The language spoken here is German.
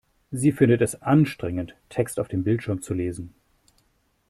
Sie findet es anstrengend, Text auf dem Bildschirm zu lesen.